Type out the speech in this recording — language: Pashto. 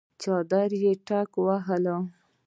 څادر يې ټکواهه.